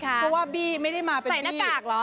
เพราะว่าบี้ไม่ได้มาเป็นใส่หน้ากากเหรอ